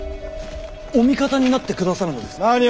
お味方になってくださるのですか。